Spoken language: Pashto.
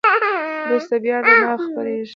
وروسته بیا رڼا خپرېږي.